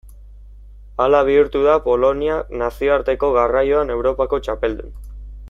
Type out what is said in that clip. Hala bihurtu da Polonia nazioarteko garraioan Europako txapeldun.